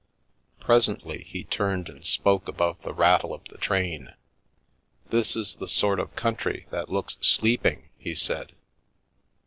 Presently, he turned and spoke above the rattle of the train. " This is the sort of country that looks sleeping," he said.